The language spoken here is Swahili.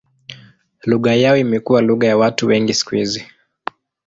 Lugha yao imekuwa lugha ya watu wengi siku hizi.